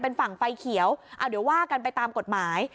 เป็นฝั่งไฟเขียวเดี๋ยวว่ากันไปตามกฎหมาย